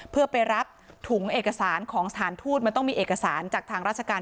เพื่อไปรับถุงเอกสารของสถานทูตมันต้องมีเอกสารจากทางราชการ